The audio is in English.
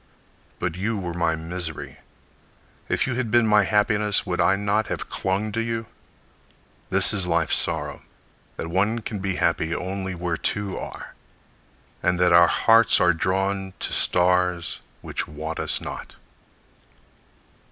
But you were my misery. If you had been My happiness would I not have clung to you? This is life's sorrow: That one can be happy only where two are; And that our hearts are drawn to stars Which want us not.